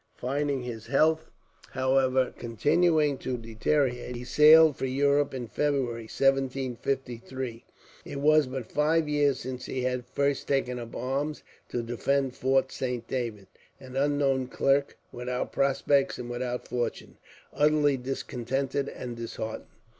Finding his health, however, continuing to deteriorate, he sailed for Europe in February, 1753. It was but five years since he had first taken up arms to defend Fort Saint David, an unknown clerk, without prospects and without fortune, utterly discontented and disheartened.